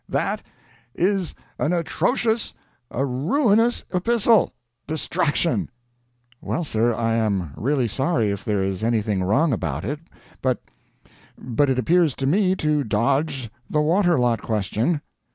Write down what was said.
"That is an atrocious, a ruinous epistle! Distraction!" "Well, sir, I am really sorry if there is anything wrong about it but but it appears to me to dodge the water lot question."